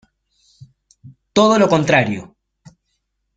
Todo lo contrario.